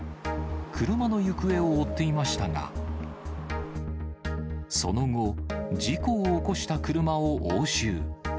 車の行方を追っていましたが、その後、事故を起こした車を押収。